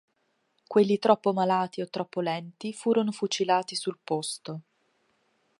Quelli troppo malati o troppo lenti furono fucilati sul posto.